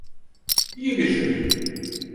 İyi bir şey.